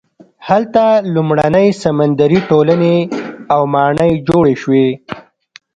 هلته لومړنۍ سمندري ټولنې او ماڼۍ جوړې شوې.